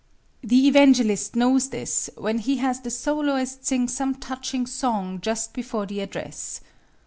The evangelist knows this when he has the soloist sing some touching song just before the address.